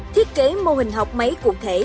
thiết kế mô hình học máy cụ thể